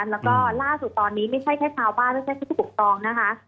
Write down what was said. แล้วก็ล่าสุดตอนนี้ไม่ใช่แค่ชาวบ้านไม่ใช่แค่ผู้ปกครองนะคะ